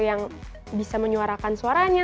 yang bisa menyuarakan suaranya